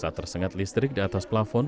saat tersengat listrik di atas plafon